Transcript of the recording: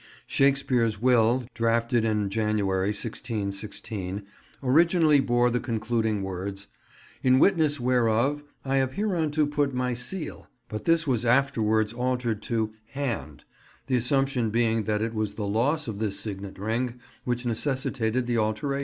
Shakespeare's will, drafted in January 1616, originally bore the concluding words: "In witness whereof I have hereunto put my seale," but this was afterwards altered to "hand," the assumption being that it was the loss of this signet ring which necessitated the alteration.